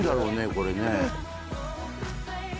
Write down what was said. これね。